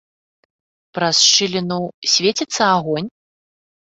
Праз шчыліну свеціцца агонь?